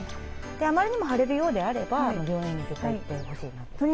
あまりにも腫れるようであれば病院に絶対行ってほしいなと。